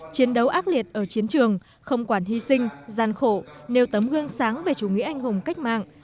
chiến đấu ác liệt ở chiến trường không quản hy sinh gian khổ nêu tấm gương sáng về chủ nghĩa anh hùng cách mạng